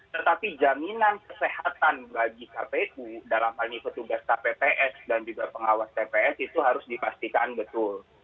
tetapi jaminan kesehatan bagi kpu dalam hal ini petugas kpps dan juga pengawas tps itu harus dipastikan betul